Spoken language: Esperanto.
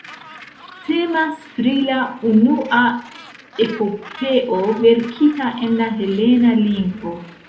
Temas pri la unua epopeo verkita en la helena lingvo.